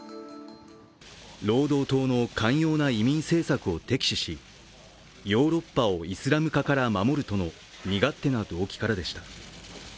労働党の寛容な移民政策を敵視し、ヨーロッパをイスラム化から守るとの身勝手な動機からでした。